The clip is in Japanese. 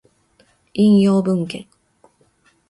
引用文献